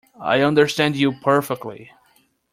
I understand you perfectly.